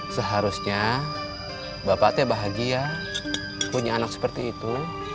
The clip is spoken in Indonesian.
seharusnya bapak teh bahagia punya anak seperti itu